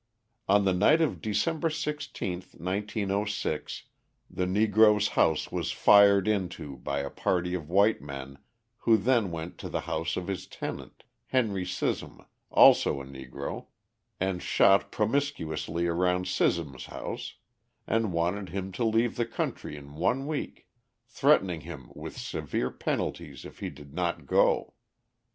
On the night of December 16, 1906, the Negro's house was fired into by a party of white men who then went to the house of his tenant, Henry Scism, also a Negro, and shot promiscuously around Scism's house, and warned him to leave the country in one week, threatening him with severe penalties if he did not go.